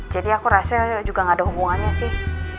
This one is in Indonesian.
aku rasa juga gak ada hubungannya sih